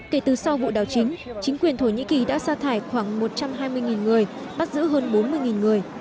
kể từ sau vụ đảo chính chính quyền thổ nhĩ kỳ đã xa thải khoảng một trăm hai mươi người bắt giữ hơn bốn mươi người